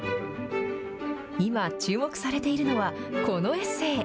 今、注目されているのは、このエッセー。